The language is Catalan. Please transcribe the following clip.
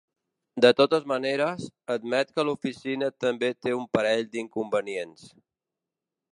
De totes maneres, admet que l’oficina també té un parell d’inconvenients.